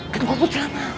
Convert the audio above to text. kan gua bujelan lah